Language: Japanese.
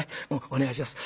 お願いします。